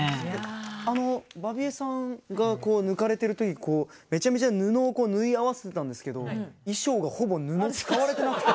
あのバビ江さんが抜かれてる時こうめちゃめちゃ布をこう縫い合わせてたんですけど衣装がほぼ布使われてなくて。